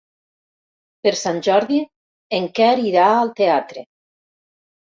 Per Sant Jordi en Quer irà al teatre.